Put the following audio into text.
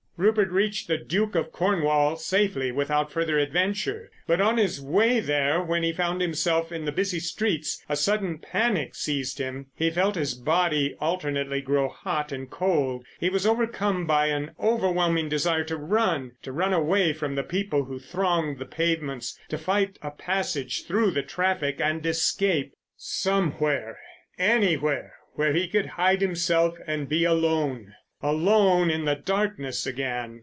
Rupert reached the "Duke of Cornwall" safely without further adventure. But on his way there, when he found himself in the busy streets, a sudden panic seized him. He felt his body alternately grow hot and cold. He was overcome by an overwhelming desire to run—to run away from the people who thronged the pavements, to fight a passage through the traffic and escape—somewhere, anywhere, where he could hide himself and be alone. Alone in the darkness again!